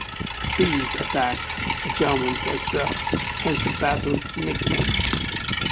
The bees attacked the Germans as well, hence the battle's nickname.